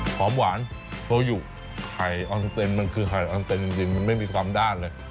หวานโทยุไข่ออนเต็นมันคือไข่ออนเต็นจริงมันไม่มีความด้านเลย